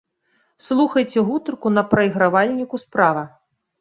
Слухайце гутарку на прайгравальніку справа.